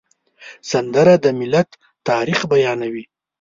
سندره د ملت تاریخ بیانوي